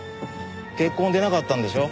血痕出なかったんでしょ？